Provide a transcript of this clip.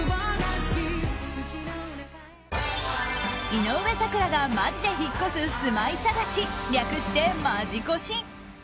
井上咲楽がマジで引っ越す住まい探し、略してマジ越し！